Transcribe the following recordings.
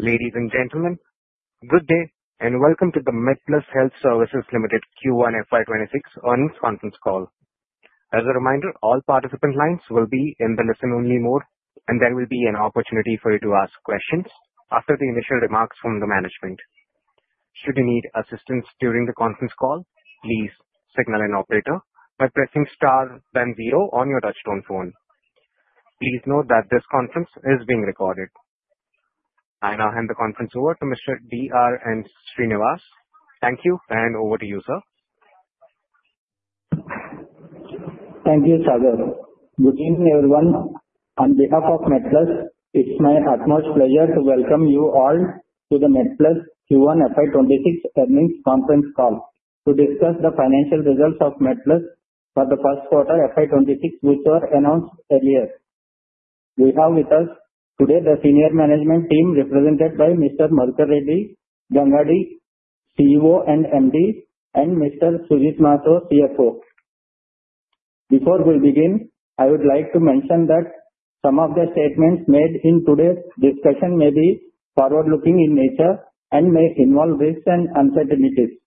Ladies and gentlemen, good day and welcome to the MedPlus Health Services Limited Q1 FY 2026 earnings conference call. As a reminder, all participant lines will be in the listen-only mode, and there will be an opportunity for you to ask questions after the initial remarks from the management. Should you need assistance during the conference call, please signal an operator by pressing star then zero on your touch-tone phone. Please note that this conference is being recorded. I now hand the conference over to Mr. R P Srinivas. Thank you, and over to you, sir. Thank you, Sagar. Good evening, everyone. On behalf of MedPlus, it's my utmost pleasure to welcome you all to the MedPlus Q1 FY 2026 earnings conference call to discuss the financial results of MedPlus for the first quarter FY 2026, which were announced earlier. We have with us today the senior management team represented by Mr. Madhukar Gangadi Reddy, CEO and MD, and Mr. Sujit Mahato, CFO. Before we begin, I would like to mention that some of the statements made in today's discussion may be forward-looking in nature and may involve risks and uncertainties.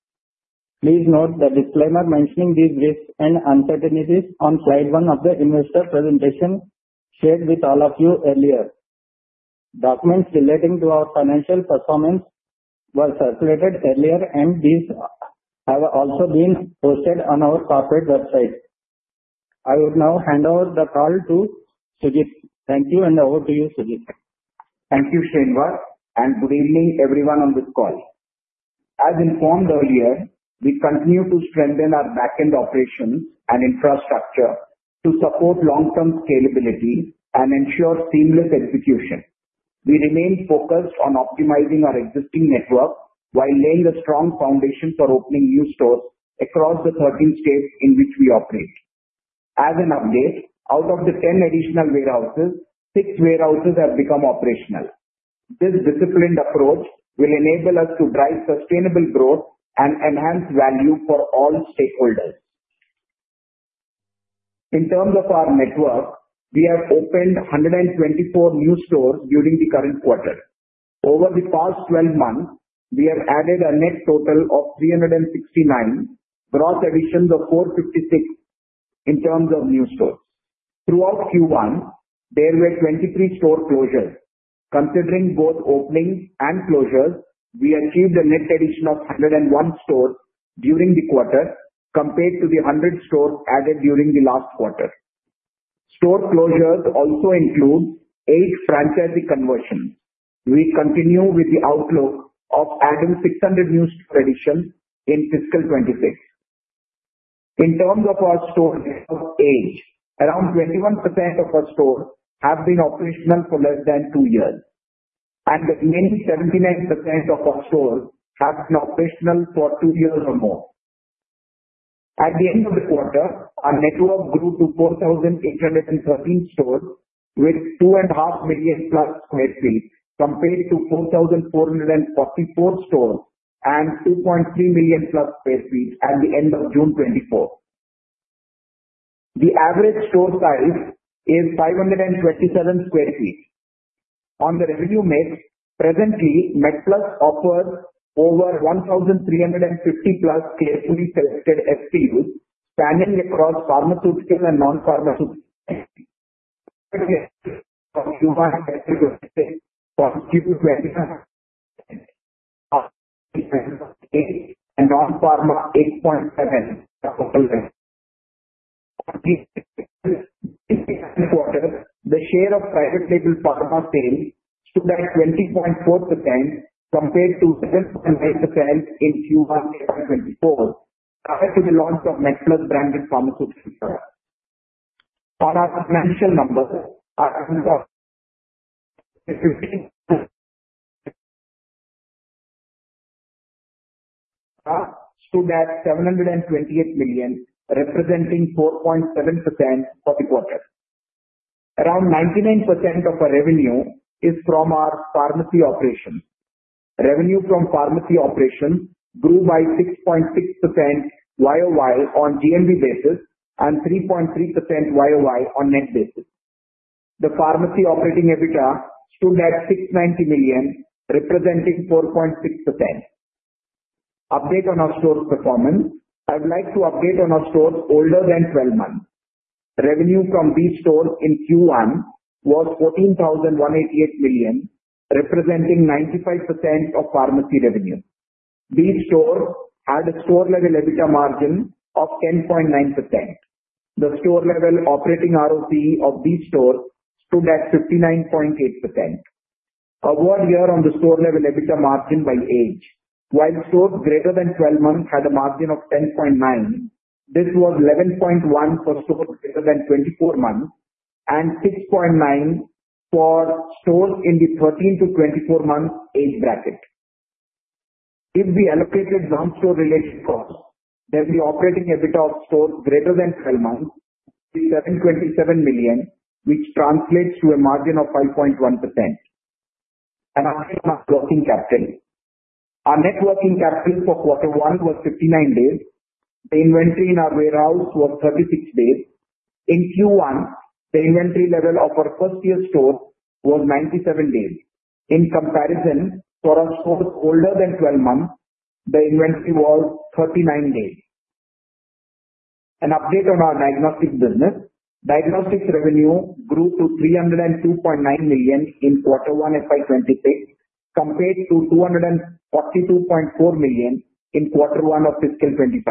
Please note the disclaimer mentioning these risks and uncertainties on slide one of the investor presentation shared with all of you earlier. Documents relating to our financial performance were circulated earlier, and these have also been posted on our corporate website. I would now hand over the call to Sujit. Thank you, and over to you, Sujit. Thank you, Srinivas, and good evening, everyone, on this call. As informed earlier, we continue to strengthen our backend operations and infrastructure to support long-term scalability and ensure seamless execution. We remain focused on optimizing our existing network while laying a strong foundation for opening new stores across the 13 states in which we operate. As an update, out of the 10 additional warehouses, six warehouses have become operational. This disciplined approach will enable us to drive sustainable growth and enhance value for all stakeholders. In terms of our network, we have opened 124 new stores during the current quarter. Over the past 12 months, we have added a net total of 369, gross additions of 456 in terms of new stores. Throughout Q1, there were 23 store closures. Considering both openings and closures, we achieved a net addition of 101 stores during the quarter compared to the 100 stores added during the last quarter. Store closures also include eight franchisee conversions. We continue with the outlook of adding 600 new store additions in fiscal 26. In terms of our store network age, around 21% of our stores have been operational for less than two years, and the remaining 79% of our stores have been operational for two years or more. At the end of the quarter, our network grew to 4,813 stores with 2.5 million plus sq ft compared to 4,444 stores and 2.3 million plus sq ft at the end of June 2024. The average store size is 527 sq ft. On the revenue mix, presently, MedPlus offers over 1,350 plus carefully selected SKUs spanning across pharmaceutical and non-pharmaceutical. In the quarter, the share of private label pharma sales stood at 20.4% compared to 7.9% in Q1 2024 prior to the launch of MedPlus branded pharmaceuticals. On our financial numbers, our stores stood at 728 million, representing 4.7% for the quarter. Around 99% of our revenue is from our pharmacy operations. Revenue from pharmacy operations grew by 6.6% YoY on GMV basis and 3.3% YoY on net basis. The pharmacy operating EBITDA stood at 690 million, representing 4.6%. Update on our stores performance, I would like to update on our stores older than 12 months. Revenue from these stores in Q1 was 14,188 million, representing 95% of pharmacy revenue. These stores had a store-level EBITDA margin of 10.9%. The store-level operating ROCE of these stores stood at 59.8%. And year-on-year on the store-level EBITDA margin by age. While stores greater than 12 months had a margin of 10.9%, this was 11.1% for stores greater than 24 months and 6.9% for stores in the 13 to 24 months age bracket. If we allocated some store-related costs, then the operating EBITDA of stores greater than 12 months is 727 million, which translates to a margin of 5.1%. And now, on our working capital. Our net working capital for quarter one was 59 days. The inventory in our warehouse was 36 days. In Q1, the inventory level of our first-year stores was 97 days. In comparison, for our stores older than 12 months, the inventory was 39 days. An update on our diagnostic business. Diagnostics revenue grew to 302.9 million in quarter one FY 2026 compared to 242.4 million in quarter one of fiscal 25.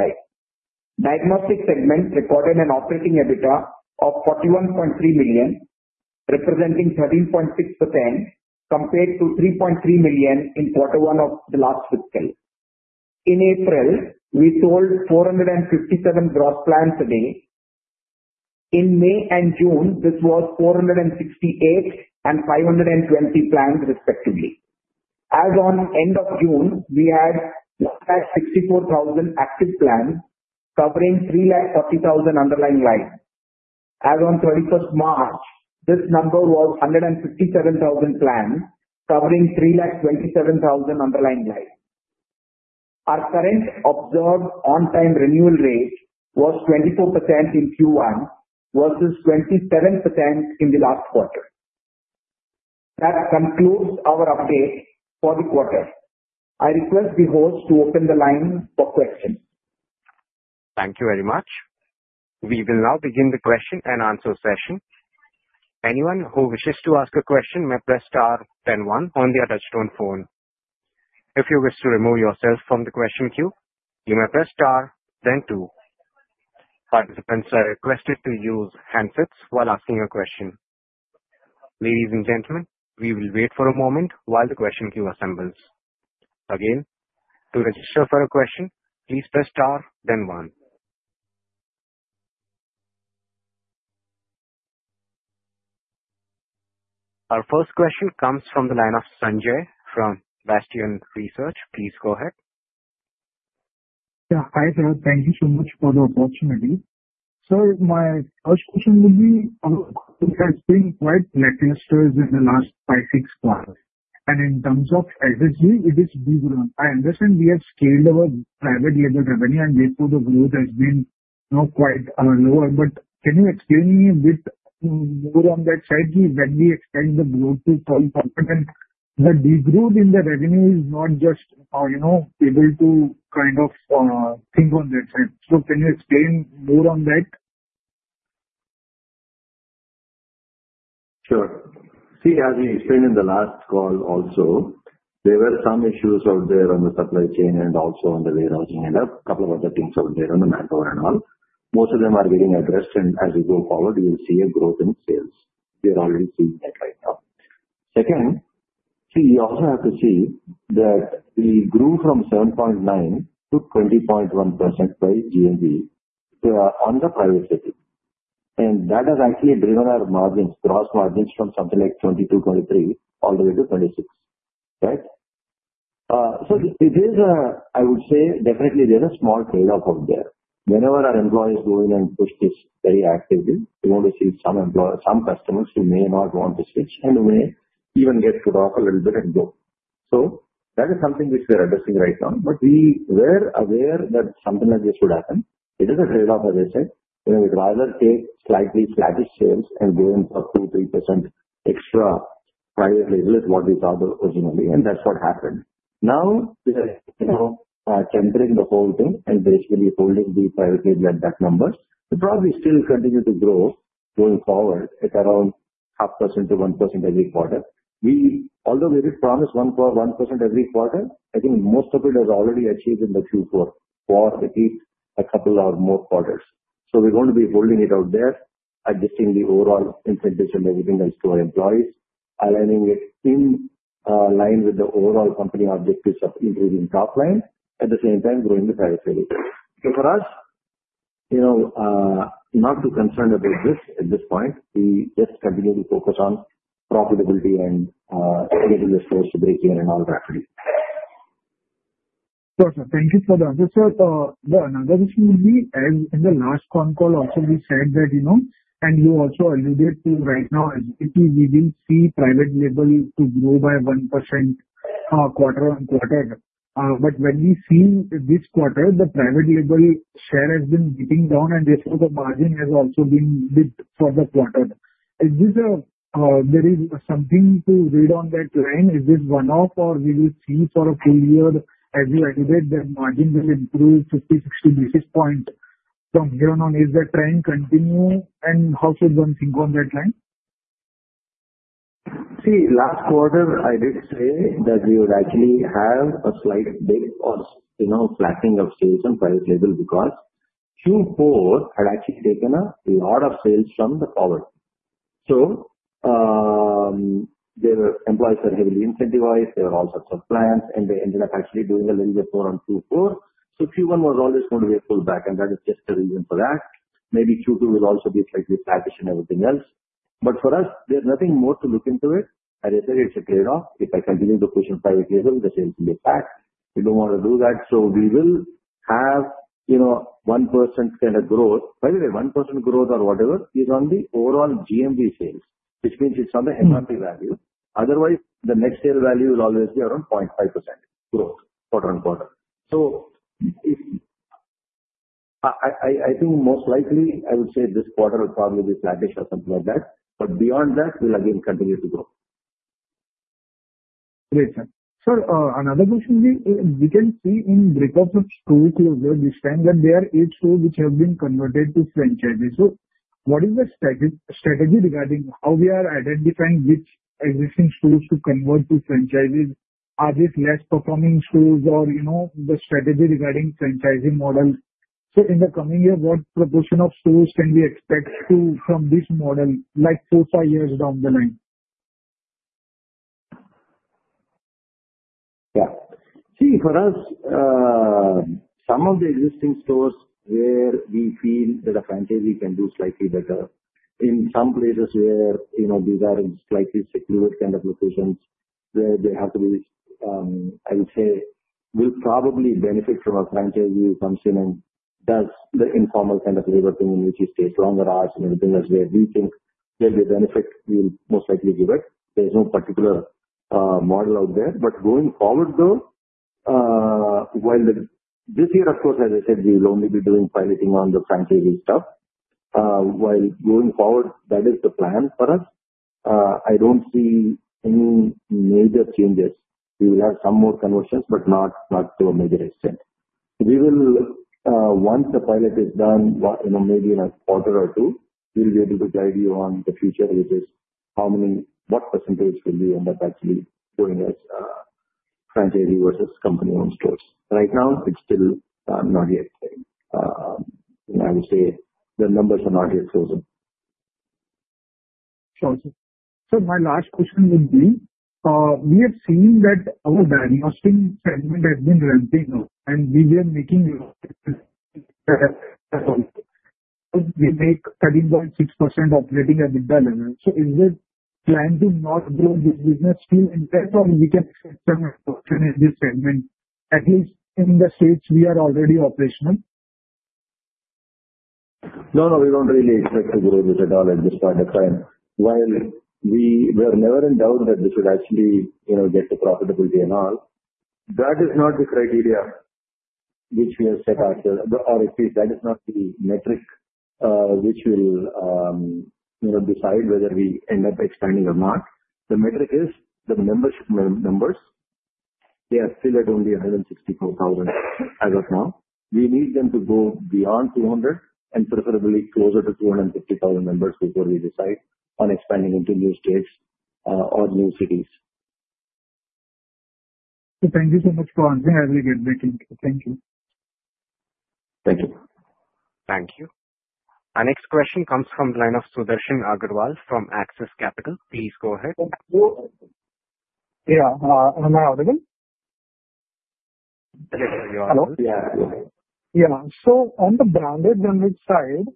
Diagnostic segment recorded an operating EBITDA of 41.3 million, representing 13.6% compared to 3.3 million in quarter one of the last fiscal. In April, we sold 457 gross plans a day. In May and June, this was 468 and 520 plans, respectively. As of end of June, we had 164,000 active plans covering 340,000 underlying lines. As of 31st March, this number was 157,000 plans covering 327,000 underlying lines. Our current observed on-time renewal rate was 24% in Q1 versus 27% in the last quarter. That concludes our update for the quarter. I request the host to open the line for questions. Thank you very much. We will now begin the question and answer session. Anyone who wishes to ask a question may press star then one on the touch-tone phone. If you wish to remove yourself from the question queue, you may press star then two. Participants are requested to use handsets while asking a question. Ladies and gentlemen, we will wait for a moment while the question queue assembles. Again, to register for a question, please press star then one. Our first question comes from the line of Sanjay from Bastion Research. Please go ahead. Yeah, hi there. Thank you so much for the opportunity. Sir, my first question would be, we have seen quite net investors in the last five, six months. And in terms of SSG, it is bigger. I understand we have scaled our private label revenue, and therefore the growth has been quite lower. But can you explain me a bit more on that side? When we extend the growth to 12 months, the degrowth in the revenue, I'm not able to kind of think on that side. So can you explain more on that? Sure. See, as we explained in the last call also, there were some issues out there on the supply chain and also on the warehousing and a couple of other things out there on the manpower and all. Most of them are being addressed, and as we go forward, we will see a growth in sales. We are already seeing that right now. Second, see, you also have to see that we grew from 7.9% to 20.1% GMV on the private label. And that has actually driven our margins, gross margins from something like 22%-23% all the way to 26%, right? So there's a, I would say, definitely there's a small trade-off out there. Whenever our employees go in and push this very actively, we want to see some customers who may not want to switch and may even get put off a little bit and go. So that is something which we are addressing right now. But we were aware that something like this would happen. It is a trade-off, as I said. We would rather take slightly sluggish sales and go in for 2%-3% extra private label is what we thought originally, and that's what happened. Now we are tempering the whole thing and basically holding the private label at that number. We'll probably still continue to grow going forward at around 0.5% to 1% every quarter. Although we did promise 1% every quarter, I think most of it has already achieved in the Q4 for at least a couple of more quarters. So we're going to be holding it out there, adjusting the overall incentives and everything else to our employees, aligning it in line with the overall company objectives of increasing top line, at the same time growing the private label. So for us, not too concerned about this at this point. We just continue to focus on profitability and getting the stores to break even and all that. Sure, sir. Thank you for the answer, sir. The another issue would be, as in the last phone call, also we said that, and you also alluded to right now, we will see private label to grow by 1% quarter on quarter. But when we see this quarter, the private label share has been dipping down, and therefore the margin has also been dipped for the quarter. Is there something to read on that line? Is this one-off, or will we see for a full year as you alluded that margin will improve 50-60 basis points from here on? Is that trend continue, and how should one think on that line? See, last quarter, I did say that we would actually have a slight dip or flattening of sales on private label because Q4 had actually taken a lot of sales from the future. So their employees were heavily incentivized. There were all sorts of plans, and they ended up actually doing a little bit more on Q4. So Q1 was always going to be a pullback, and that is just the reason for that. Maybe Q2 will also be slightly flatish and everything else. But for us, there's nothing more to look into it. As I said, it's a trade-off. If I continue to push on private label, the sales will be flat. We don't want to do that. So we will have 1% kind of growth. By the way, 1% growth or whatever is on the overall GMV sales, which means it's on the MRP value. Otherwise, the net sales value will always be around 0.5% growth quarter on quarter. So I think most likely, I would say this quarter will probably be flatish or something like that. But beyond that, we'll again continue to grow. Great, sir. Sir, another question would be, we can see in break-up of stores overview, we find that there are eight stores which have been converted to franchises. So what is the strategy regarding how we are identifying which existing stores to convert to franchises? Are these less performing stores, or the strategy regarding franchising model? So in the coming year, what proportion of stores can we expect from this model like four, five years down the line? Yeah. See, for us, some of the existing stores where we feel that a franchisee can do slightly better, in some places where these are slightly secluded kind of locations, where they have to be, I would say, will probably benefit from a franchisee who comes in and does the informal kind of labor thing in which you stay longer hours and everything else, where we think where the benefit will most likely be there. There's no particular model out there. But going forward, though, while this year, of course, as I said, we will only be doing piloting on the franchisee stuff. While going forward, that is the plan for us. I don't see any major changes. We will have some more conversions, but not to a major extent. We will, once the pilot is done, maybe in a quarter or two, we'll be able to guide you on the future, which is how many, what percentage will be end up actually going as franchisee versus company-owned stores. Right now, it's still not yet. I would say the numbers are not yet frozen. Sure, sir. So my last question would be, we have seen that our diagnostic segment has been ramping up, and we were making 13.6% operating EBITDA level. So is the plan to not grow this business still in place or we can expect some expansion in this segment? At least in the states, we are already operational. No, no, we don't really expect to grow this at all at this point of time. While we were never in doubt that this would actually get to profitability and all, that is not the criteria which we have set out there. Or at least that is not the metric which will decide whether we end up expanding or not. The metric is the membership numbers. They are still at only 164,000 as of now. We need them to go beyond 200 and preferably closer to 250,000 members before we decide on expanding into new states or new cities. Thank you so much for answering very good. Thank you. Thank you. Thank you. Our next question comes from the line of Sudarshan Agarwal from Axis Capital. Please go ahead. Yeah. Am I audible? Yes, you are audible. Yeah. So on the branded and this side,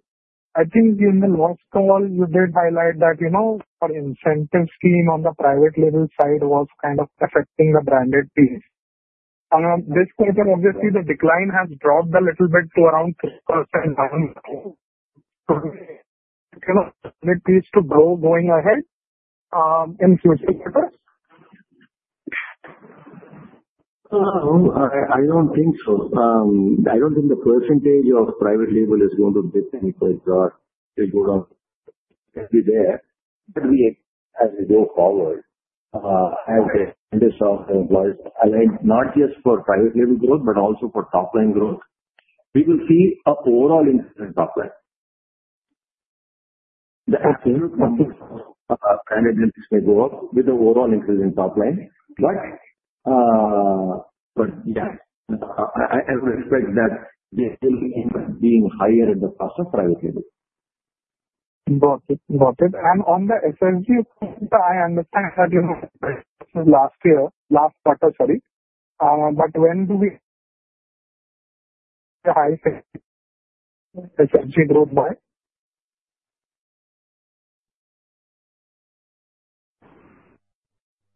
I think in the last call, you did highlight that our incentive scheme on the private label side was kind of affecting the branded piece. This quarter, obviously, the decline has dropped a little bit to around 3%. Does it need to grow going ahead in future quarters? I don't think so. I don't think the percentage of private label is going to dip any further or will go down. It will be there. As we go forward, as the incentives of the employees, aligned not just for private label growth, but also for top-line growth, we will see an overall increase in top line. The absolute number of private labels may go up with the overall increase in top line. But yeah, I would expect that they will end up being higher in the cost of private label. Got it. Got it. And on the SSG point, I understand that last year, last quarter, sorry. But when do we see the high SSG growth by?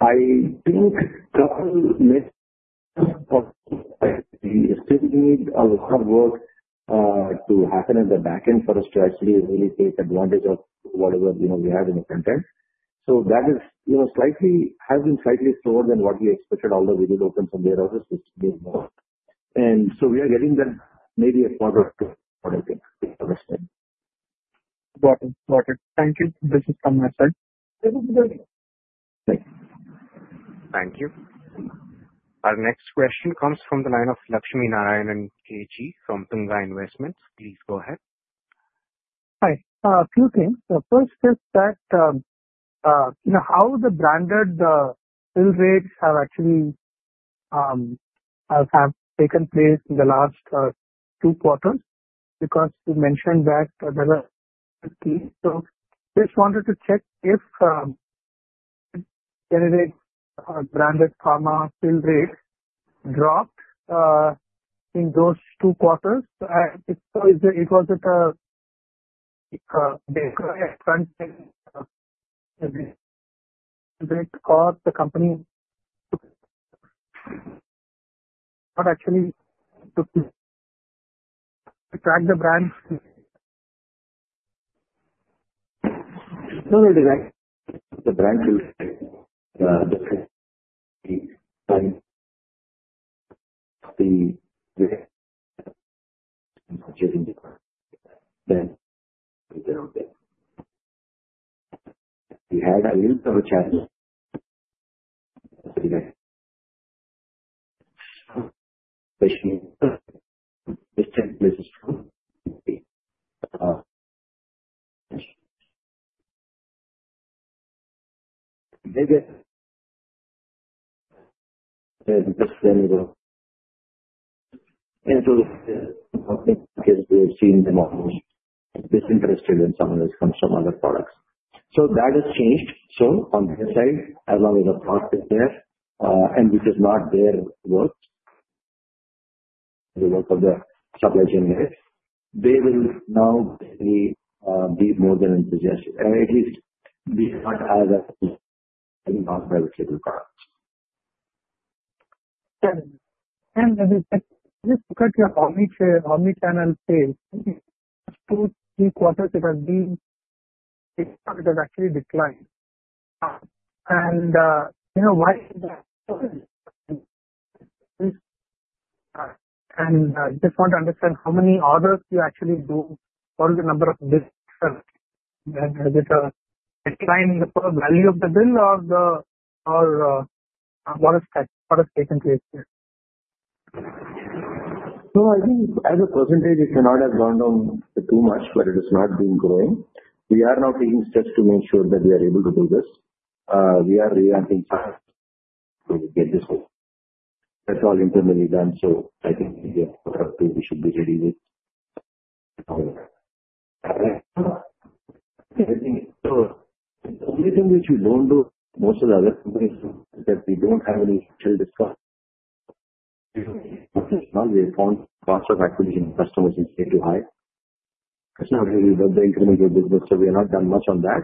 I think the whole mid-year process, I think, still needs a lot of work to happen at the back end for us to actually really take advantage of whatever we have in the front end. So that has been slightly slower than what we expected, although we did open some warehouses, which gave more. And so we are getting there maybe a quarter to quarter to, I think, investment. Got it. Got it. Thank you. This is from my side. Thank you. Thank you. Our next question comes from the line of Lakshminarayanan K G from Tunga Investments. Please go ahead. Hi. A few things. First, how the branded fill rates have actually taken place in the last two quarters because you mentioned that there were hikes. So just wanted to check if branded pharma fill rates dropped in those two quarters. So it wasn't a big upfront hike or the company does not actually track the brand. No, no, the brand will be interested in some of those from some other products. So that has changed. So on their side, as long as the cost is there and which is not their work, the work of the supply chain leaders, they will now be more than enthusiastic, at least not averse to non-private label products. And just to cut your omnichannel sales, those two quarters, it has actually declined, and just want to understand how many orders you actually do, what is the number of bills itself? Is it a decline in the value of the bill or what has taken place here? So I think as a percentage, it may not have gone down too much, but it has not been growing. We are now taking steps to make sure that we are able to do this. We are re-ranking to get this to. That's all internally done. So I think we should be ready with everything. So the only thing which we don't do that most of the other companies do is that we don't have any cash discount. Now we have found cost of acquiring customers is a bit too high. It's not really that incremental to your business, so we have not done much on that.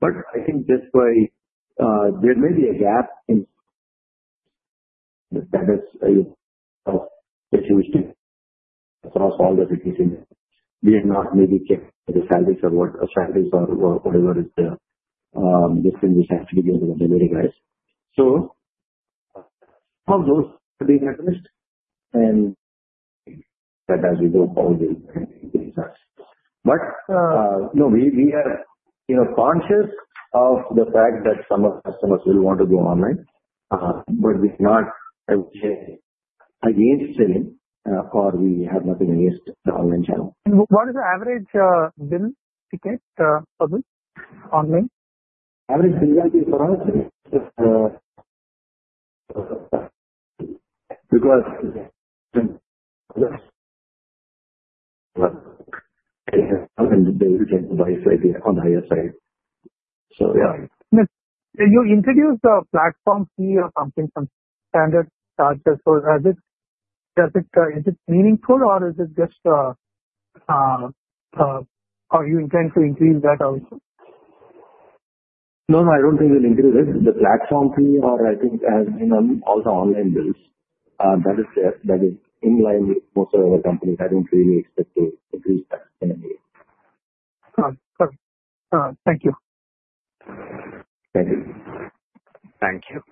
But I think that's why there may be a gap in the stores which we have across all the regions. We have not maybe kept the salaries or whatever is the incentive we have to give to the delivery guys. So some of those have been addressed, and that as we go forward, we'll see the results. But no, we are conscious of the fact that some of the customers will want to go online, but we are not against selling or we have nothing against the online channel. What is the average bill ticket per bill online? Average bill value for us is because we have some in the day we tend to buy slightly on the higher side. So yeah. You introduced a platform fee or something, some standard charges. So, is it meaningful, or is it just you intend to increase that also? No, no, I don't think we'll increase it. The platform fee, or I think as in all the online bills, that is there. That is in line with most of our companies. I don't really expect to increase that in any way. Got it. Got it. Thank you. Thank you. Thank you.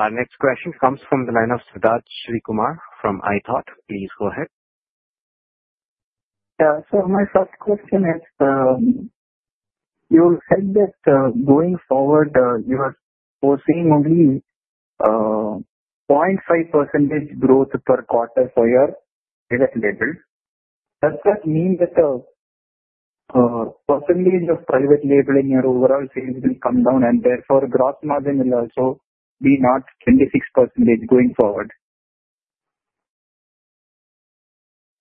Our next question comes from the line of Sridharth Srikumar from ithought. Please go ahead. Yeah. So my first question is, you said that going forward, you are foreseeing only 0.5% growth per quarter for your private label. Does that mean that the percentage of private label in your overall sales will come down, and therefore gross margin will also be not 26% going forward?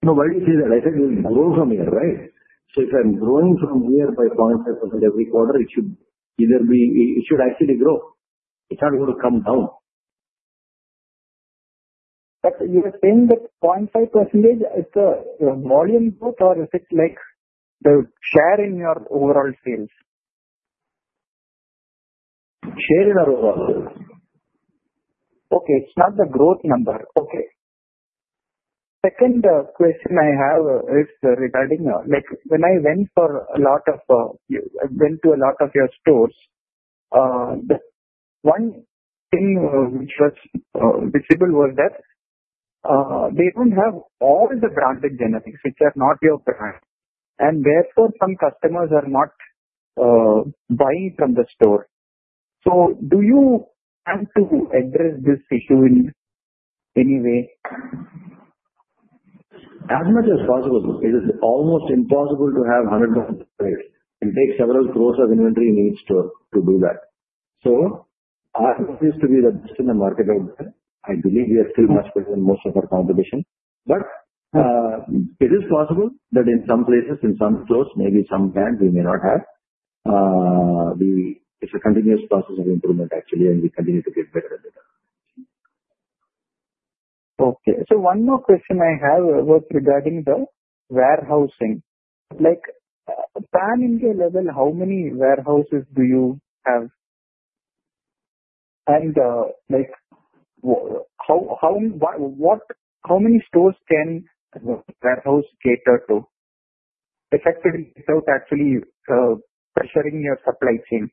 No, why do you say that? I said we'll grow from here, right? So if I'm growing from here by 0.5% every quarter, it should actually grow. It's not going to come down. But you're saying that 0.5% is the volume growth, or is it like the share in your overall sales? Share in our overall sales. Okay. It's not the growth number. Okay. Second question I have is regarding when I went to a lot of your stores, one thing which was visible was that they don't have all the branded generics, which are not your brand, and therefore some customers are not buying from the store. So do you plan to address this issue in any way? As much as possible. It is almost impossible to have 100% growth. It takes several growth of inventory needs to do that. So our growth used to be the best in the market over there. I believe we are still much better than most of our competition. But it is possible that in some places, in some stores, maybe some brands we may not have. It's a continuous process of improvement, actually, and we continue to get better and better. Okay. So one more question I have was regarding the warehousing. At a pan-India level, how many warehouses do you have? And how many stores can the warehouse cater to effectively without actually pressuring your supply chain?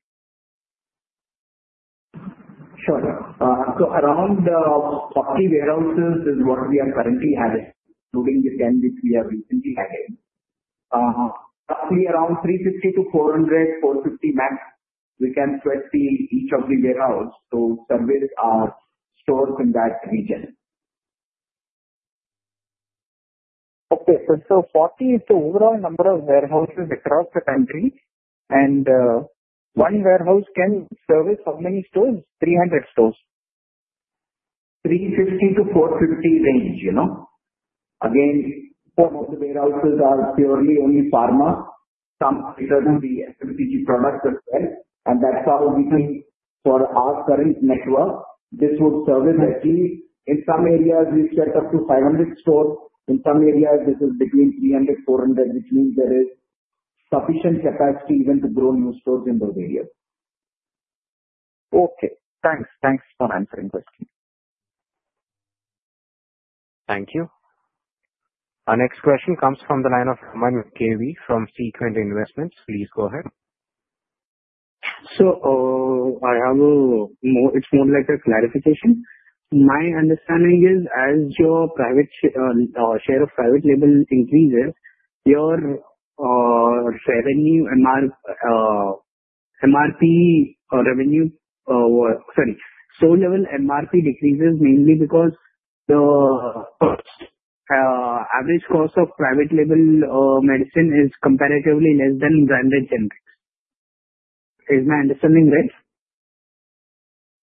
Sure. So around 40 warehouses is what we are currently having, including the 10 which we have recently added. Roughly around 350-400, 450 max, we can fit each of the warehouse. So service our stores in that region. Okay. So 40 is the overall number of warehouses across the country, and one warehouse can service how many stores? 300 stores? 350-450 range. Again, some of the warehouses are purely only pharma. Some return to the FMCG products as well. And that's how we think for our current network, this would service actually in some areas, we've set up to 500 stores. In some areas, this is between 300-400, which means there is sufficient capacity even to grow new stores in those areas. Okay. Thanks. Thanks for answering the question. Thank you. Our next question comes from the line of Raman KV from Sequent Investments. Please go ahead. So it's more like a clarification. My understanding is as your share of private label increases, your revenue MRP revenue, sorry, store-level MRP decreases mainly because the average cost of private label medicine is comparatively less than branded generics. Is my understanding right?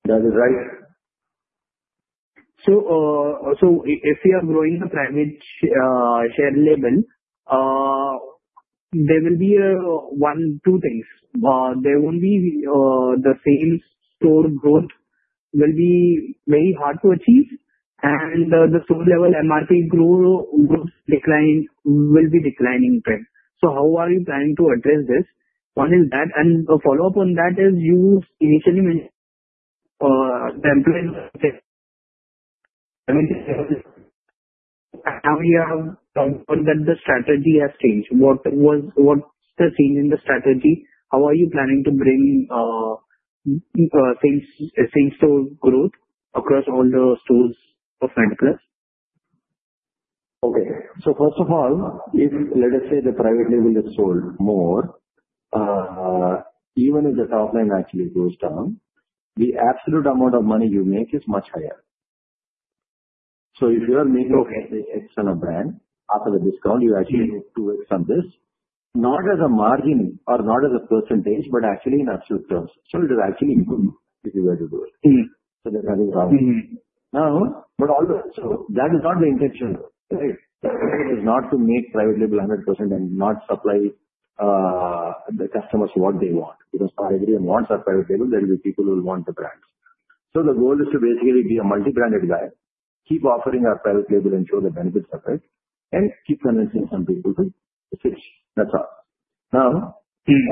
That is right. So if you are growing the private label, there will be two things. There won't be. The same store growth will be very hard to achieve, and the store-level MRP growth will be declining trend. So how are you planning to address this? One is that, and a follow-up on that is you initially mentioned the employees were sick. Now you have found that the strategy has changed. What's the change in the strategy? How are you planning to bring things to growth across all the stores of MedPlus? Okay. So first of all, let us say the private label is sold more, even if the top line actually goes down, the absolute amount of money you make is much higher. So if you are making X on a brand, after the discount, you actually make 2X on this, not as a margin or not as a percentage, but actually in absolute terms. So it is actually good if you were to do it. So there's nothing wrong. Now, but also that is not the intention, right? It is not to make private label 100% and not supply the customers what they want. Because everyone wants our private label, there will be people who will want the brands. So the goal is to basically be a multi-branded guy, keep offering our private label and show the benefits of it, and keep convincing some people to switch. That's all. Now,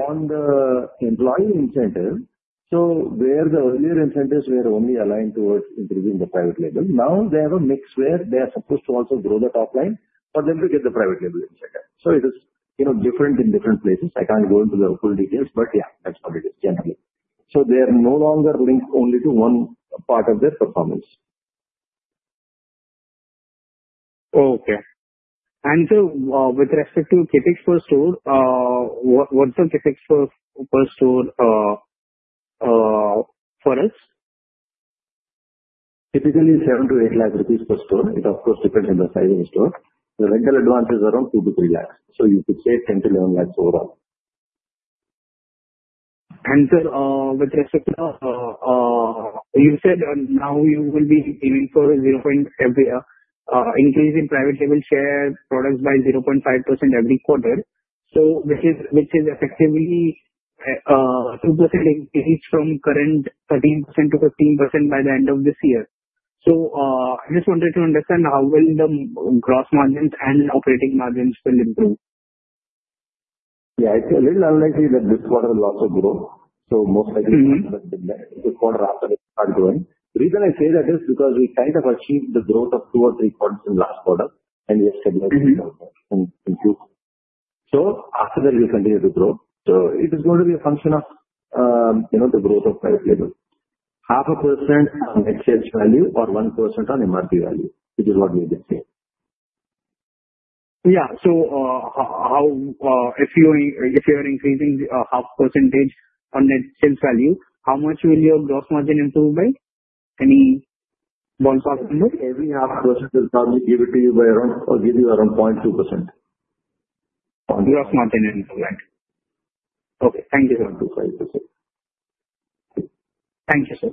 on the employee incentive, so where the earlier incentives were only aligned towards improving the private label, now they have a mix where they are supposed to also grow the top line, but they'll get the private label incentive, so it is different in different places. I can't go into the full details, but yeah, that's what it is generally, so they are no longer linked only to one part of their performance. Okay, and so with respect to CapEx per store, what's the CapEx per store for us? Typically, 700,000-800,000 rupees per store. It of course depends on the size of the store. The rental advance is around 200,000-300,000. So you could say 1 million-1.1 million overall. With respect to what you said, now you will be giving for increasing private label share products by 0.5% every quarter, which is effectively two% increase from current 13% to 15% by the end of this year. I just wanted to understand how will the gross margins and operating margins will improve? Yeah. It's a little unlikely that this quarter will also grow. So most likely the quarter after is not growing. The reason I say that is because we kind of achieved the growth of two or three quarters in last quarter, and we have stabilized in Q4. So after that, we'll continue to grow. So it is going to be a function of the growth of private label. 0.5% on exchange value or 1% on MRP value, which is what we did say. Yeah. So if you are increasing 0.5% on net sales value, how much will your gross margin improve by? Any ballpark number? Every 0.5% will probably give it to you by around or give you around 0.2%. Gross margin improvement. Okay. Thank you. Around 2.5%. Thank you, sir.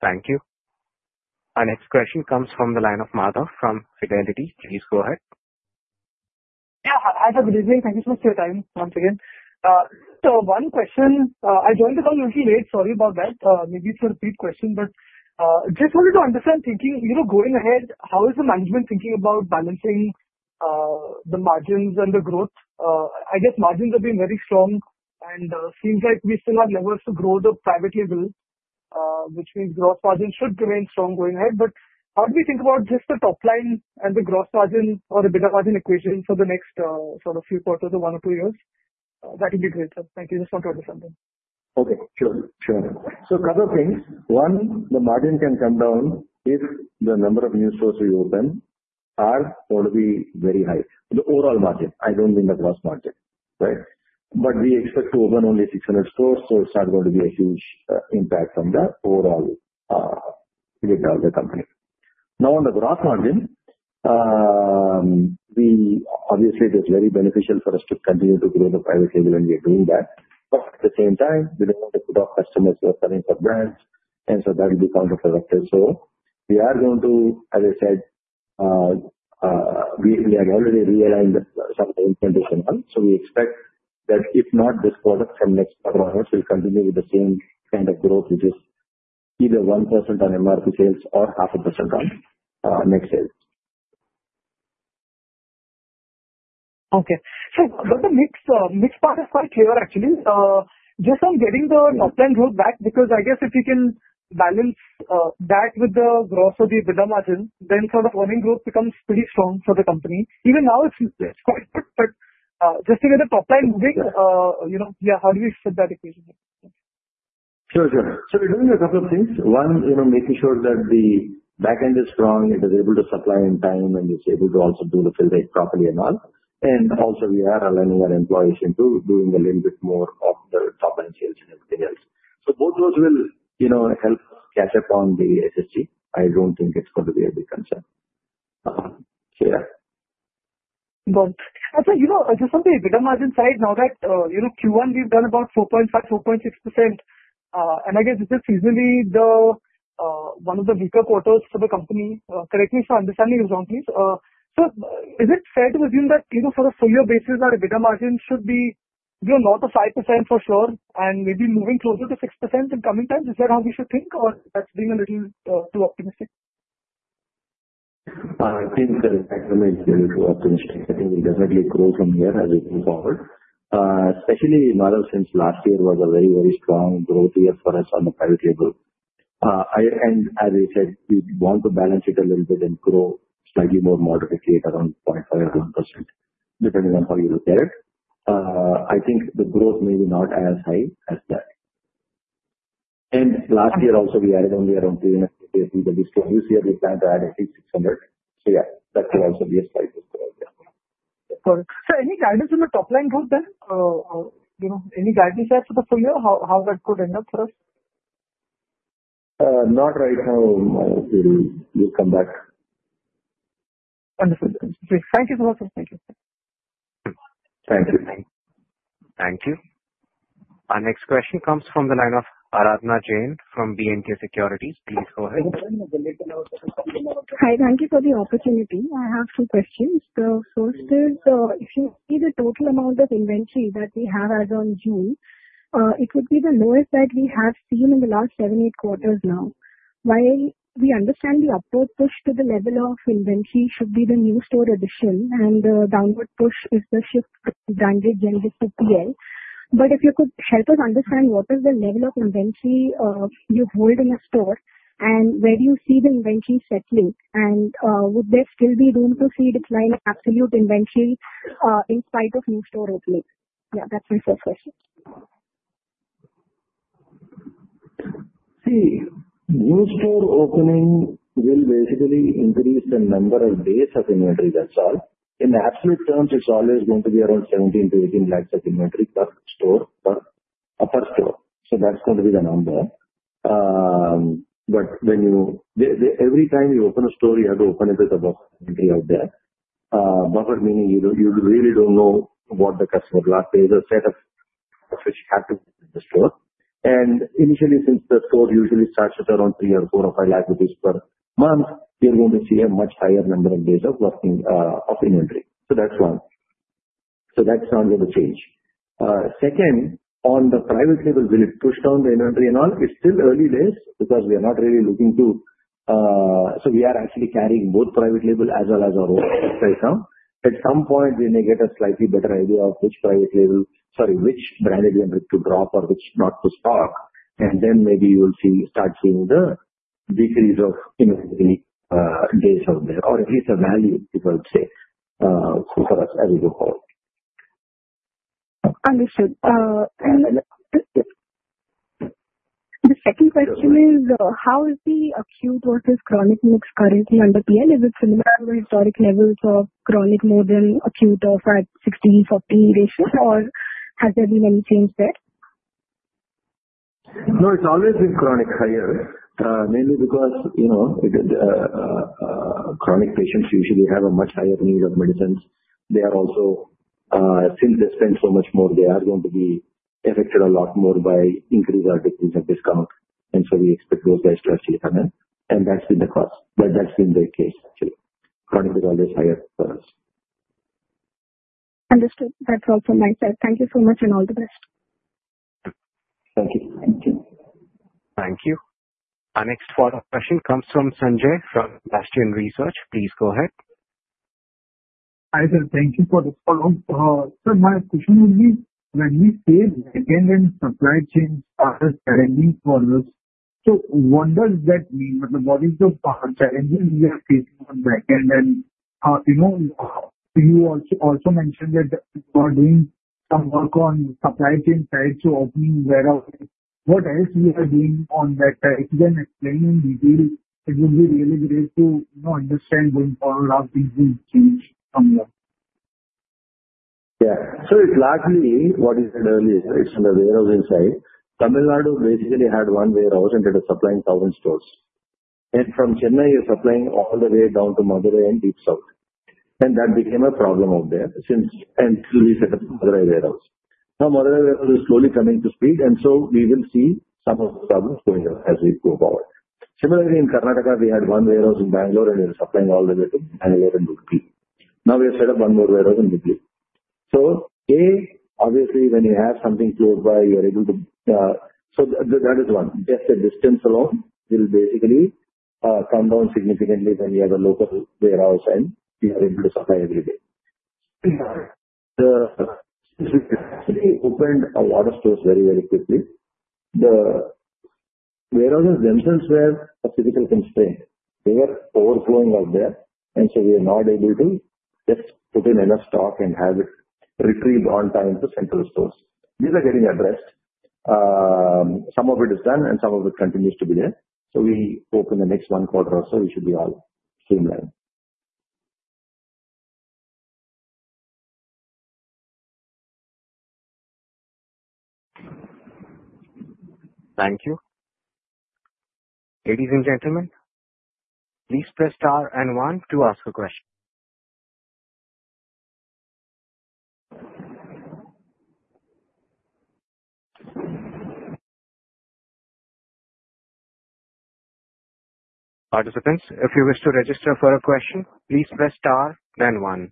Thank you. Our next question comes from the line of Madhav from Fidelity. Please go ahead. Yeah. Hi, Mr. Srinivas. Thank you so much for your time once again. So one question. I joined a little late. Sorry about that. Maybe it's a repeat question, but just wanted to understand thinking going ahead, how is the management thinking about balancing the margins and the growth? I guess margins have been very strong, and it seems like we still have levers to grow the private label, which means gross margin should remain strong going ahead. But how do we think about just the top line and the gross margin or the EBITDA margin equation for the next sort of few quarters or one or two years? That would be great. Thank you. Just wanted to understand that. Okay. Sure. Sure. So a couple of things. One, the margin can come down if the number of new stores we open are going to be very high. The overall margin. I don't mean the gross margin, right? But we expect to open only 600 stores, so it's not going to be a huge impact on the overall EBITDA of the company. Now, on the gross margin, obviously, it is very beneficial for us to continue to grow the private label, and we are doing that. But at the same time, we don't want to put off customers who are coming for brands, and so that will be counterproductive. So we are going to, as I said, we have already realigned some of the implementation one. So we expect that if not this quarter from next quarter onwards, we'll continue with the same kind of growth, which is either 1% on MRP sales or 0.5% on net sales. Okay. So the mix part is quite clear, actually. Just on getting the top line growth back, because I guess if you can balance that with the growth of the EBITDA margin, then sort of earnings growth becomes pretty strong for the company. Even now, it's quite good, but just to get the top line moving, yeah, how do we fit that equation? Sure. Sure. So we're doing a couple of things. One, making sure that the back end is strong, it is able to supply in time, and it's able to also do the fill rate properly and all. And also, we are aligning our employees into doing a little bit more of the top line sales and everything else. So both those will help catch up on the SSG. I don't think it's going to be a big concern. So yeah. And so just on the EBITDA margin side, now that Q1, we've done about 4.5%-4.6%, and I guess this is easily one of the weaker quarters for the company. Correct me if I'm understanding you wrong, please. So is it fair to assume that sort of full-year basis that EBITDA margin should be not a 5% for sure and maybe moving closer to 6% in coming times? Is that how we should think, or that's being a little too optimistic? I think that's actually a little too optimistic. I think we definitely grow from here as we move forward, especially since last year was a very, very strong growth year for us on the private label. And as I said, we want to balance it a little bit and grow slightly more moderately at around 0.5% or 1%, depending on how you look at it. I think the growth may be not as high as that. And last year also, we added only around 350 new stores. This year, we plan to add at least 600. So yeah, that could also be a slight discount there. So any guidance on the top line growth then? Any guidance there for the full year? How that could end up for us? Not right now. We'll come back. Wonderful. Thank you so much. Thank you. Thank you. Thank you. Our next question comes from the line of Aradhana Jain from B&K Securities. Please go ahead. Hi. Thank you for the opportunity. I have two questions. So first is, if you see the total amount of inventory that we have as of June, it would be the lowest that we have seen in the last seven, eight quarters now. While we understand the upward push to the level of inventory should be the new store addition, and the downward push is the shift to branded generic to PL. But if you could help us understand what is the level of inventory you hold in a store and where do you see the inventory settling, and would there still be room to see a declining absolute inventory in spite of new store opening? Yeah, that's my first question. See, new store opening will basically increase the number of days of inventory. That's all. In absolute terms, it's always going to be around 17-18 lakhs of inventory per store, per super store. So that's going to be the number. But every time you open a store, you have to open it with a buffer inventory out there. Buffer meaning you really don't know what the customer's last day is a set of which had to be in the store. And initially, since the store usually starts at around 3 or 4 or 5 lakh rupees per month, you're going to see a much higher number of days of working of inventory. So that's one. So that's not going to change. Second, on the private label, will it push down the inventory and all? It's still early days because we are not really looking to so we are actually carrying both private label as well as our own right now. At some point, we may get a slightly better idea of which private label, sorry, which branded inventory to drop or which not to stock, and then maybe you'll start seeing the decrease of inventory days out there, or at least a value, people would say, for us as we go forward. Understood. The second question is, how is the acute versus chronic mix currently under PL? Is it similar to the historic levels of chronic more than acute or at 60-40 ratio, or has there been any change there? No, it's always been chronic higher, mainly because chronic patients usually have a much higher need of medicines. They are also, since they spend so much more, they are going to be affected a lot more by increase or decrease of discount, and so we expect those guys to actually come in, and that's been the cost, but that's been the case, actually. Chronic is always higher for us. Understood. That's all from my side. Thank you so much, and all the best. Thank you. Thank you. Our next follow-up question comes from Sanjay from Bastion Research. Please go ahead. Hi, sir. Thank you for this follow-up. So my question would be, when we say backend and supply chains are challenging for us, so what does that mean? What is the challenges we are facing on backend? And you also mentioned that you are doing some work on supply chain side to opening warehouses. What else we are doing on that side? If you can explain in detail, it would be really great to understand going forward how things will change from there. Yeah. So it's largely what you said earlier, right? It's on the warehouse inside. Tamil Nadu basically had one warehouse and it was supplying 1,000 stores. And from Chennai, you're supplying all the way down to Madurai and deep south. And that became a problem out there since we set up Madurai warehouse. Now, Madurai warehouse is slowly coming to speed, and so we will see some of the problems going on as we go forward. Similarly, in Karnataka, we had one warehouse in Bengaluru, and we were supplying all the way to Bengaluru and Hubli. Now we have set up one more warehouse in Hubli. So A, obviously, when you have something close by, you are able to so that is one. Just the distance alone will basically come down significantly when you have a local warehouse and you are able to supply every day. The city opened a lot of stores very, very quickly. The warehouses themselves were a physical constraint. They were overflowing out there, and so we are not able to just put in enough stock and have it retrieved on time to central stores. These are getting addressed. Some of it is done, and some of it continues to be there. So we hope in the next one quarter or so, we should be all streamlined. Thank you. Ladies and gentlemen, please press star and one to ask a question. Participants, if you wish to register for a question, please press star then one.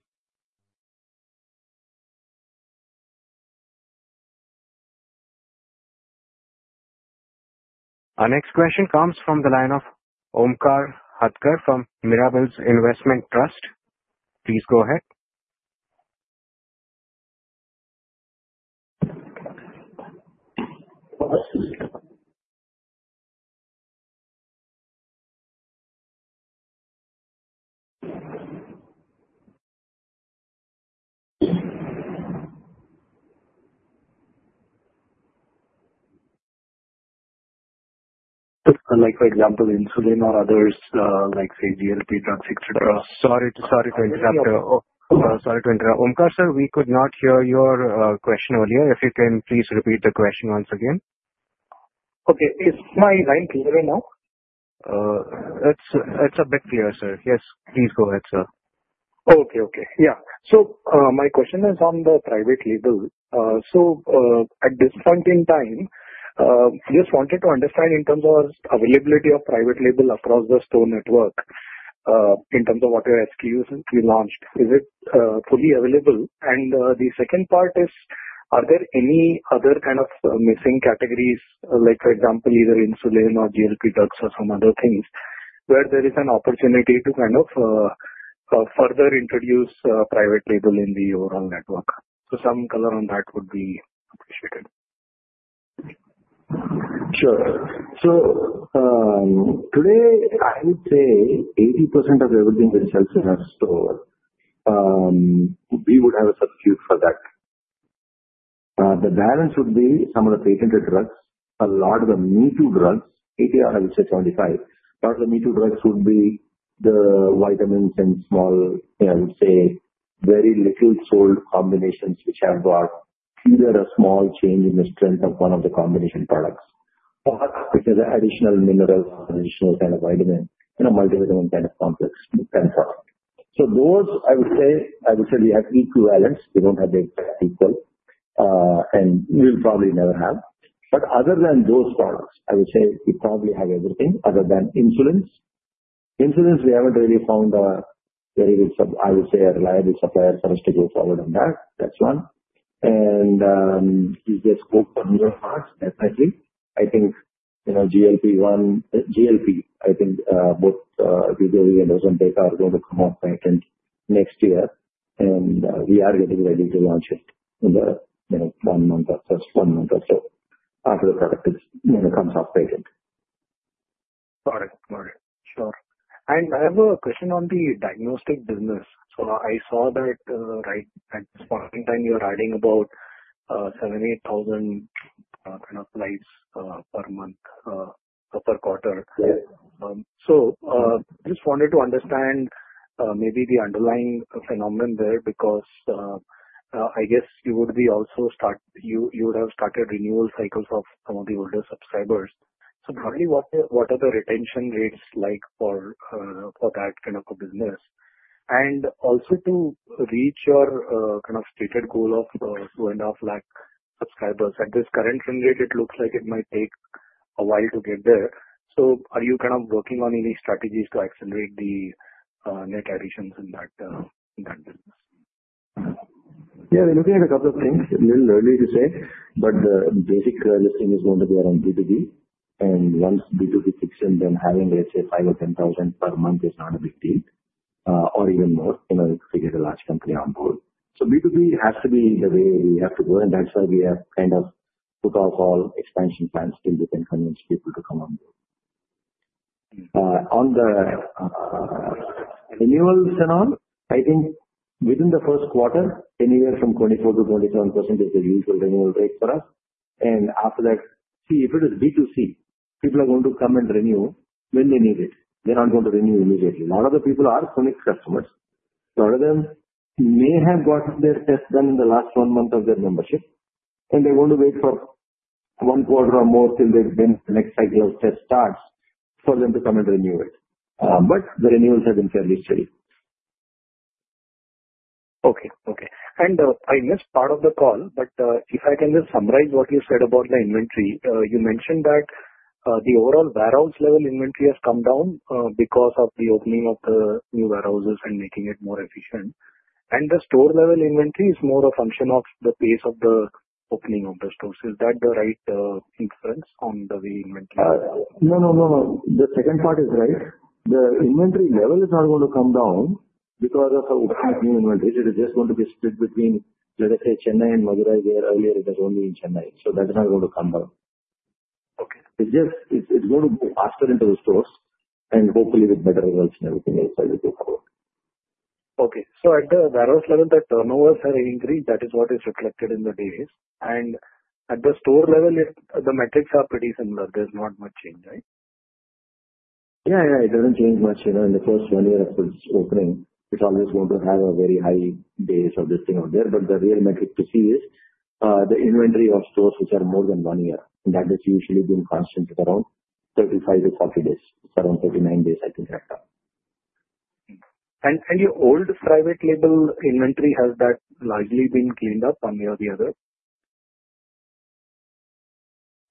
Our next question comes from the line of Omkar Hadkar from Mirabilis Investment Trust. Please go ahead. Like for example, insulin or others, like say GLP drugs, etc. Sorry to interrupt. It's okay. Sorry to interrupt. Omkar, sir, we could not hear your question earlier. If you can please repeat the question once again. Okay. Is my line clear right now? It's a bit unclear, sir. Yes, please go ahead, sir. Okay. Yeah. So my question is on the private label. So at this point in time, just wanted to understand in terms of availability of private label across the store network in terms of whatever SKUs we launched. Is it fully available? And the second part is, are there any other kind of missing categories, like for example, either insulin or GLP drugs or some other things where there is an opportunity to kind of further introduce private label in the overall network? So some color on that would be appreciated. Sure. So today, I would say 80% of everything is self-service store. We would have a substitute for that. The balance would be some of the patented drugs. A lot of the me-too drugs, 80% or I would say 75%, a lot of the me-too drugs would be the vitamins and small, I would say, very little sold combinations which have brought either a small change in the strength of one of the combination products or additional minerals or additional kind of vitamin, multi-vitamin kind of complex kind of product. So those, I would say, we have equivalents. We don't have the exact equal, and we'll probably never have. But other than those products, I would say we probably have everything other than insulins. Insulins, we haven't really found a very good, I would say, a reliable supplier for us to go forward on that. That's one. We just hope for newer products, definitely. I think GLP-1, GLP. I think both BJV and Ozempic are going to come off patent next year, and we are getting ready to launch it in the one month or so, after the product comes off patent. Got it. Got it. Sure. And I have a question on the diagnostic business. So I saw that right at this point in time, you were adding about 7,000, 8,000 kind of labs per month, per quarter. So just wanted to understand maybe the underlying phenomenon there because I guess you would have started renewal cycles of some of the older subscribers. So currently, what are the retention rates like for that kind of a business? And also to reach your kind of stated goal of 2.5 lakh subscribers, at this current trend rate, it looks like it might take a while to get there. So are you kind of working on any strategies to accelerate the net additions in that business? Yeah, we're looking at a couple of things. It's a little early to say, but the basic listing is going to be around B2B. And once B2B kicks in, then having, let's say, 5 or 10,000 per month is not a big deal, or even more if you get a large company on board. So B2B has to be the way we have to go, and that's why we have kind of put off all expansion plans till we can convince people to come on board. On the renewals and all, I think within the first quarter, anywhere from 24%-27% is the usual renewal rate for us. And after that, see, if it is B2C, people are going to come and renew when they need it. They're not going to renew immediately. A lot of the people are chronic customers. A lot of them may have gotten their test done in the last one month of their membership, and they're going to wait for one quarter or more till the next cycle of test starts for them to come and renew it, but the renewals have been fairly steady. Okay. Okay. And I missed part of the call, but if I can just summarize what you said about the inventory, you mentioned that the overall warehouse level inventory has come down because of the opening of the new warehouses and making it more efficient. And the store level inventory is more a function of the pace of the opening of the stores. Is that the right inference on the way inventory is? No, no, no, no. The second part is right. The inventory level is not going to come down because of the opening of new inventories. It is just going to be split between, let us say, Chennai and Madurai. Where earlier, it was only in Chennai. So that's not going to come down. It's going to go faster into the stores, and hopefully, with better results and everything else, I will go forward. Okay. So at the warehouse level, the turnovers have increased. That is what is reflected in the days. And at the store level, the metrics are pretty similar. There's not much change, right? Yeah, yeah. It doesn't change much. In the first one year of its opening, it's always going to have a very high base of listing out there. But the real metric to see is the inventory of stores which are more than one year. And that has usually been constant around 35-40 days. It's around 39 days, I think, right now. Your old private label inventory, has that largely been cleaned up one way or the other?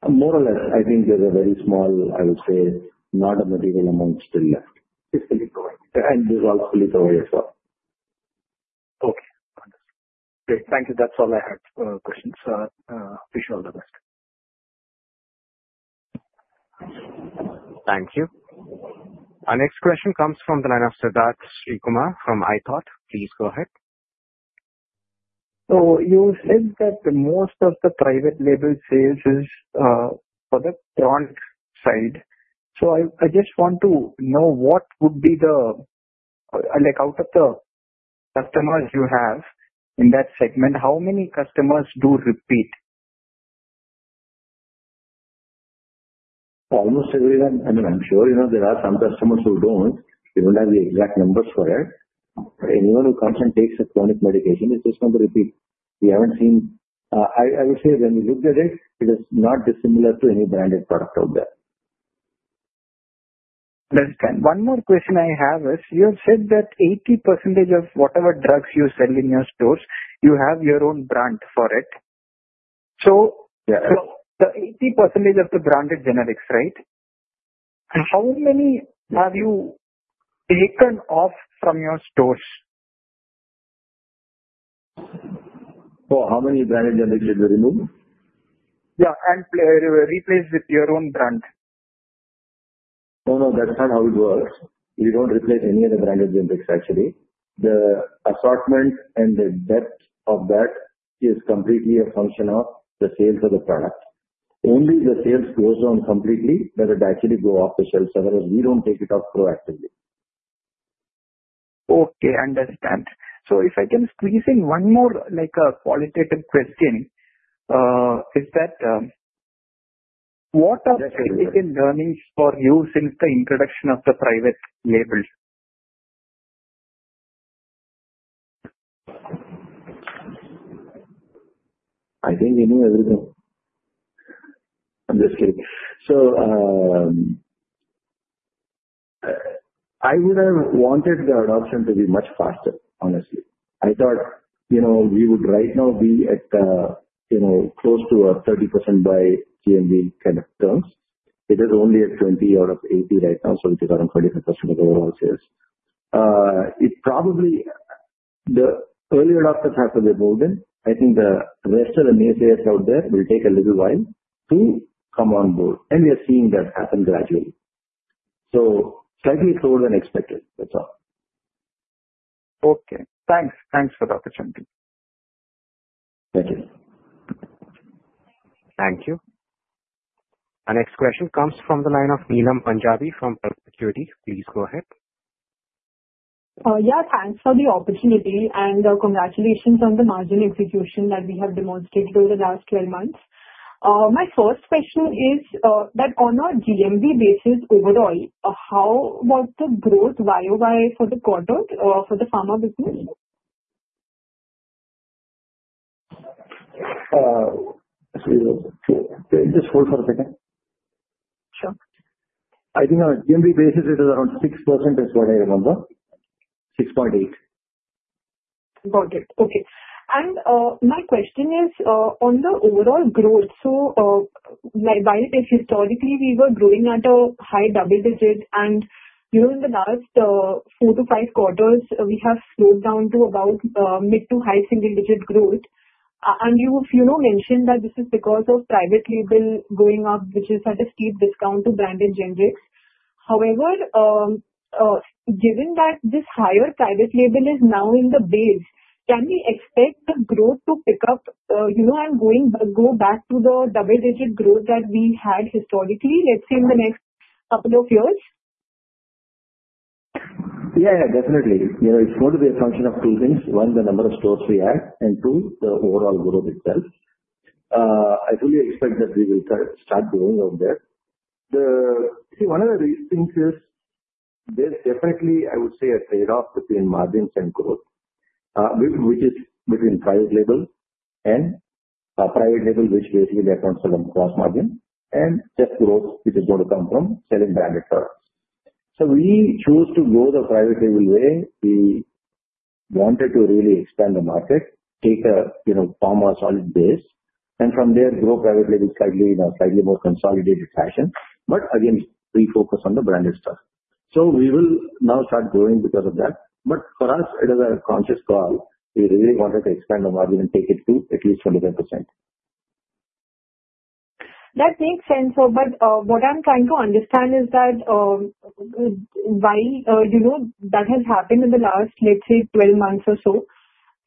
More or less. I think there's a very small, I would say, not a material amount still left. It's fully growing. It's all fully growing as well. Okay. Understood. Great. Thank you. That's all I had for questions. Wish you all the best. Thank you. Our next question comes from the line of Sidharth Srikumar from ithought. Please go ahead. So you said that most of the Private Label sales is for the front side. So I just want to know what would be the out of the customers you have in that segment, how many customers do repeat? Almost everyone. I mean, I'm sure there are some customers who don't. We don't have the exact numbers for it. But anyone who comes and takes a chronic medication is just going to repeat. We haven't seen. I would say when we looked at it, it is not dissimilar to any branded product out there. Understood. One more question I have is, you have said that 80% of whatever drugs you sell in your stores, you have your own brand for it. So the 80% of the branded generics, right? How many have you taken off from your stores? How many branded generics did we remove? Yeah, and replaced with your own brand. No, no. That's not how it works. We don't replace any of the branded generics, actually. The assortment and the depth of that is completely a function of the sales of the product. Only if the sales goes on completely, does it actually go off the shelves. Otherwise, we don't take it off proactively. Okay. Understand. So if I can squeeze in one more qualitative question, is that what are the learnings for you since the introduction of the private label? I think we knew everything. I'm just kidding, so I would have wanted the adoption to be much faster, honestly. I thought we would right now be at close to a 30% by GMV kind of terms. It is only at 20 out of 80 right now, so it is around 25% of overall sales. The earlier adopters have to get moved in. I think the rest of the naysayers out there will take a little while to come on board, and we are seeing that happen gradually, so slightly slower than expected. That's all. Okay. Thanks. Thanks for the opportunity. Thank you. Thank you. Our next question comes from the line of Neelam Punjabi from Perpetuity Ventures. Please go ahead. Yeah. Thanks for the opportunity and congratulations on the margin execution that we have demonstrated over the last 12 months. My first question is that on a GMV basis overall, how was the growth YoY for the quarter for the pharma business? Just hold for a second. Sure. I think on a GMV basis, it is around 6% is what I remember. 6.8%. Got it. Okay, and my question is on the overall growth. While historically, we were growing at a high double-digit, and in the last four to five quarters, we have slowed down to about mid- to high single-digit growth, and you mentioned that this is because of private label going up, which is at a steep discount to branded generics. However, given that this higher private label is now in the base, can we expect the growth to pick up and go back to the double-digit growth that we had historically, let's say, in the next couple of years? Yeah, yeah. Definitely. It's going to be a function of two things. One, the number of stores we add, and two, the overall growth itself. I fully expect that we will start growing out there. See, one of the reasons is there's definitely, I would say, a trade-off between margins and growth, which is between private label and private label, which basically accounts for the gross margin, and just growth, which is going to come from selling branded products. So we chose to go the private label way. We wanted to really expand the market, take a pharma solid base, and from there, grow private label slightly in a slightly more consolidated fashion, but again, refocus on the branded stuff. So we will now start growing because of that. But for us, it is a conscious call. We really wanted to expand the margin and take it to at least 25%. That makes sense. But what I'm trying to understand is that while that has happened in the last, let's say, 12 months or so,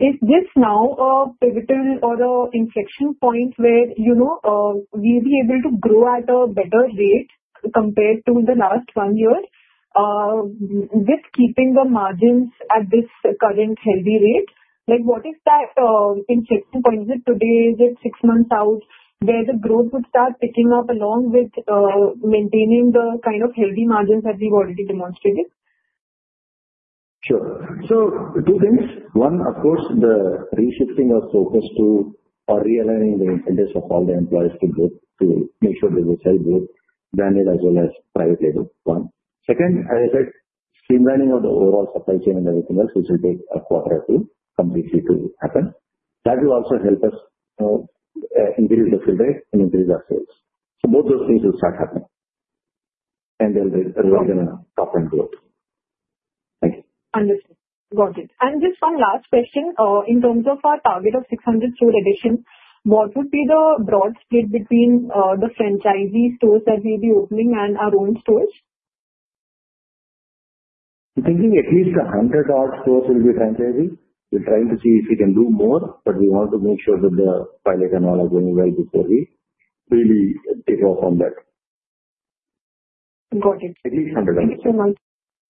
is this now a pivotal or an inflection point where we'll be able to grow at a better rate compared to the last one year with keeping the margins at this current healthy rate? What is that inflection point? Is it today? Is it six months out where the growth would start picking up along with maintaining the kind of healthy margins that we've already demonstrated? Sure. So two things. One, of course, the reshifting of focus to, or realigning the interest of all the employees to make sure they will sell both branded as well as private label. Second, as I said, streamlining of the overall supply chain and everything else which will take a quarter or two completely to happen. That will also help us increase the fill rate and increase our sales. So both those things will start happening, and they'll really going to top and growth. Thank you. Understood. Got it. And just one last question. In terms of our target of 600 store addition, what would be the broad split between the franchisee stores that we'll be opening and our own stores? I'm thinking at least 100-odd stores will be franchisee. We're trying to see if we can do more, but we want to make sure that the pilot and all are going well before we really take off on that. Got it. At least 100-odd stores. At least 100.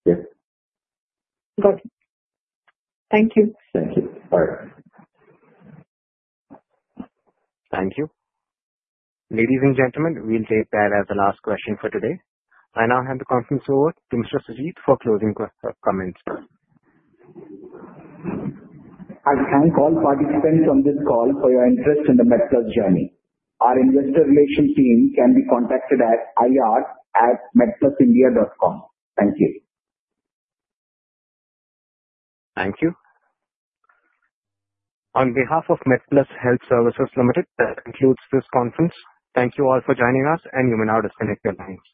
Yes. Got it. Thank you. Thank you. Bye. Thank you. Ladies and gentlemen, we'll take that as the last question for today. I now hand the conference over to Mr. Sujit for closing comments. I thank all participants on this call for your interest in the MedPlus journey. Our investor relations team can be contacted at ir@medplusindia.com. Thank you. Thank you. On behalf of MedPlus Health Services Limited, that concludes this conference. Thank you all for joining us, and you may now disconnect your lines.